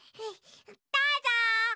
どうぞ！